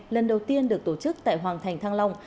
lần đầu tiên được tổ chức tại hoàng thành thăng long